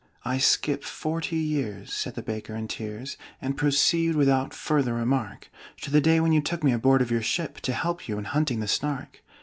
"I skip forty years," said the Baker, in tears, "And proceed without further remark To the day when you took me aboard of your ship To help you in hunting the Snark.